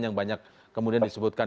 yang banyak kemudian disebutkan